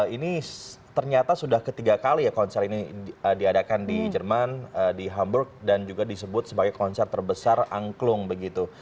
ini ternyata sudah ketiga kali ya konser ini diadakan di jerman di hamburg dan juga disebut sebagai konser terbesar angklung begitu